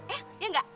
eh ya enggak